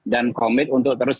dan komit untuk terus